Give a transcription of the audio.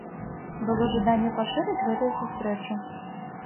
Было жаданне пашырыць гэту сустрэчу.